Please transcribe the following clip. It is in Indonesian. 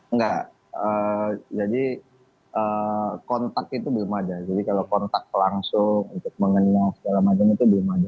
enggak jadi kontak itu belum ada jadi kalau kontak langsung untuk mengenyang segala macam itu belum ada